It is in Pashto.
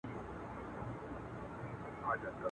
له منګولو او له زامي د زمریو ..